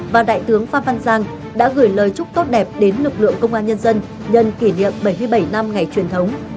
và đại tướng phan văn giang đã gửi lời chúc tốt đẹp đến lực lượng công an nhân dân nhân kỷ niệm bảy mươi bảy năm ngày truyền thống